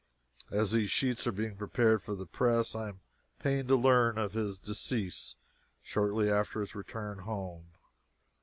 As these sheets are being prepared for the press I am pained to learn of his decease shortly after his return home M.